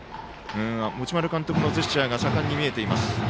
持丸監督のジェスチャーが盛んに見えています。